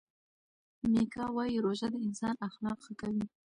میکا وايي روژه د انسان اخلاق ښه کوي.